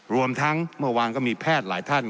รวมทั้งเมื่อวานก็มีแพทย์หลายท่าน